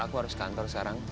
aku harus kantor sekarang